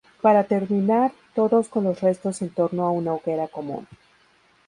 Para terminar todos con los restos en torno a una hoguera común.